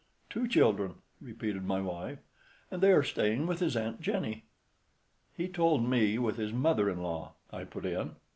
"Two children," repeated my wife; "and they are staying with his aunt Jenny." "He told me with his mother in law," I put in.